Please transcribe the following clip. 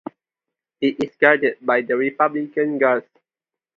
It is guarded by Republican Guards.